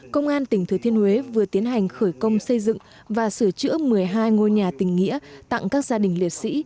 công an tỉnh thừa thiên huế vừa tiến hành khởi công xây dựng và sửa chữa một mươi hai ngôi nhà tình nghĩa tặng các gia đình liệt sĩ